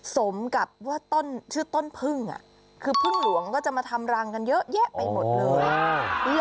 สมกับว่าต้นชื่อต้นพึ่งคือพึ่งหลวงก็จะมาทำรังกันเยอะแยะไปหมดเลย